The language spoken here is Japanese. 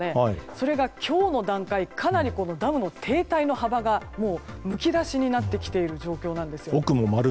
それが、今日の段階かなりダムの堤体の幅がむき出しになってきている状況なんです。